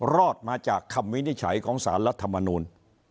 รอดมาจากคำวินิจฉัยของสารรัฐมนูล